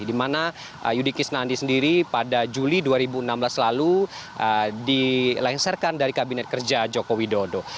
di mana yudi kisnandi sendiri pada juli dua ribu enam belas lalu dilengsarkan dari kabinet kerja joko widodo